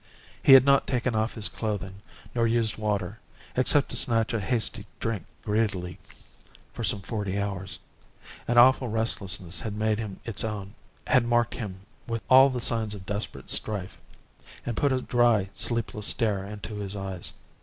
He had not taken off his clothing nor used water, except to snatch a hasty drink greedily, for some forty hours. An awful restlessness had made him its own, had marked him with all the signs of desperate strife, and put a dry, sleepless stare into his eyes.